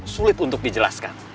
sulit untuk dijelaskan